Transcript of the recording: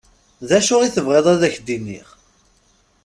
D acu i tebɣiḍ ad ak-d-iniɣ?